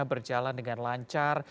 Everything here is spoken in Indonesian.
berjalan dengan lancar